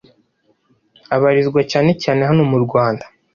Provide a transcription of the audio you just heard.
Abarizwa cyane cyane hano mu Rwanda